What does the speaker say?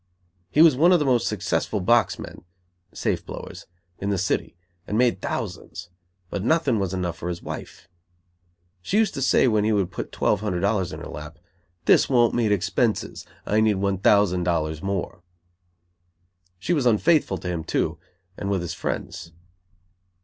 He was one of the most successful box men (safe blowers) in the city, and made thousands, but nothing was enough for his wife. She used to say, when he would put twelve hundred dollars in her lap, "This won't meet expenses. I need one thousand dollars more." She was unfaithful to him, too, and with his friends.